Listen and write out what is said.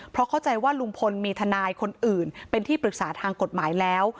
เพราะเข้าใจว่าลุงพลมีทนายคนอื่นเป็นที่ปรึกษาทางกฎหมายแล้ว